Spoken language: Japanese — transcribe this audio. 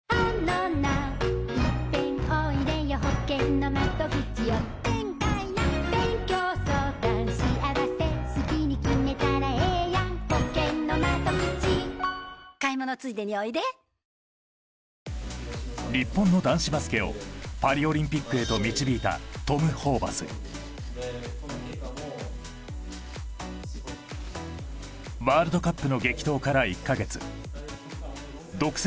「のりしお」もね日本の男子バスケをパリオリンピックへと導いたトム・ホーバスワールドカップの激闘から１か月独占